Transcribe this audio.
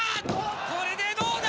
これでどうだ？